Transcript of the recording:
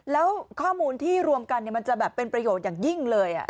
แล้วข้อมูลที่รวมกันมันจะแบบเป็นประโยชน์อย่างยิ่งเลย